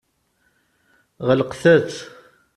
Ɣelqet-t.